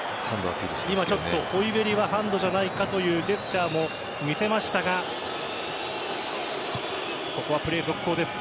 ホイビェリがハンドじゃないかというジェスチャーも見せましたがここはプレー続行です。